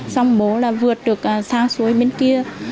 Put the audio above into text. xong bố là vượt được sang suối bên kia